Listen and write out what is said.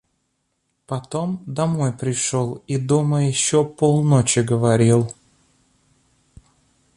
Потом домой пришел и дома еще полночи говорил!